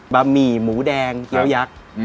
ะหมี่หมูแดงเกี้ยวยักษ์